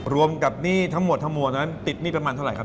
รวมกับหนี้ทั้งหมดทั้งมวลนั้นติดหนี้ประมาณเท่าไหร่ครับ